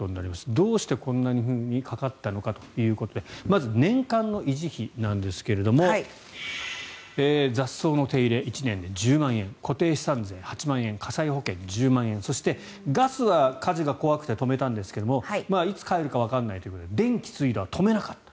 どうしてこんなにかかったのかということでまず年間の維持費なんですが雑草の手入れ、１年で１０万円固定資産税、８万円火災保険、１０万円そしてガスは火事が怖くて止めたんですがいつ帰るかわからないということで電気、水道は止めなかった。